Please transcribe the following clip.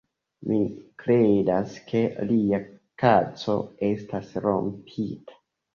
Mi kredas, ke lia kaco estas rompita